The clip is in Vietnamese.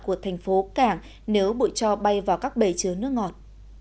của thành phố cảng nếu bụi trò bay vào các bể chứa nước ngọt